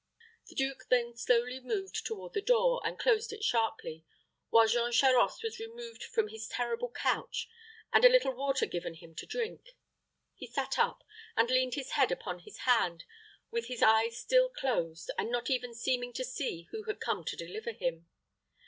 The duke then slowly moved toward the door, and closed it sharply, while Jean Charost was removed from his terrible couch, and a little water given him to drink. He sat up, and leaned his head upon his hand, with his eyes still closed, and not even seeming to see who had come to deliver him.